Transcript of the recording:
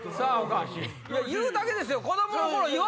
言うだけですよ。